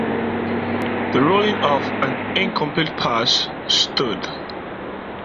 The ruling of an incomplete pass stood.